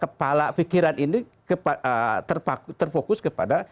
kepala pikiran ini terfokus kepada